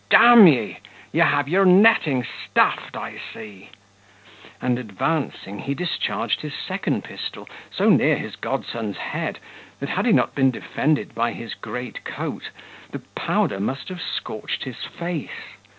d ye, you have your netting stuffed, I see;" and advancing, he discharged his second pistol so near his godson's head, that had he not been defended by his great coat, the powder must have scorched his face.